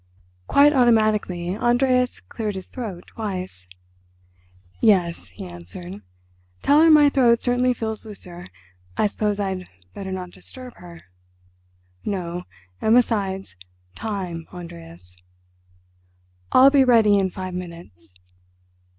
Quite automatically Andreas cleared his throat twice. "Yes," he answered. "Tell her my throat certainly feels looser. I suppose I'd better not disturb her?" "No, and besides, time, Andreas." "I'll be ready in five minutes."